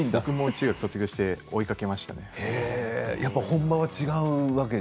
中学を卒業して追いかけました。